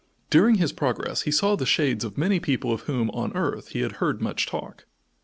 During his progress he saw the shades of many people of whom, on earth, he had heard much talk.